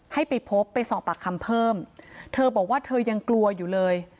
ให้ไปพบไปสอบปากคำเพิ่มเธอบอกว่าเธอยังกลัวอยู่เลย